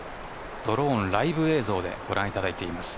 ドローンのライブ映像でご覧いただいています。